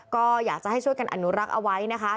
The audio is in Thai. ก็อยากจะให้ช่วยกันอนุรักษ์เอาไว้นะคะ